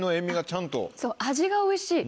そう味がおいしい。